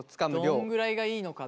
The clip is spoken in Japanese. どんぐらいがいいのかっていうこと。